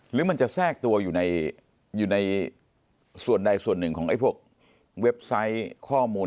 หรือมันจะแทรกตัวอยู่ในส่วนใดส่วนหนึ่งของไอ้พวกเว็บไซต์ข้อมูล